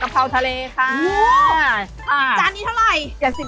เพราทะเลค่ะจานนี้เท่าไหร่